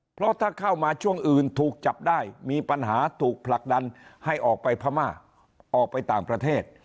เพราะถ้าเข้ามาช่วงอื่นถูกจับได้มีปัญหาถูกผลักดันให้ออกไปพม่าออกไปต่างประเทศ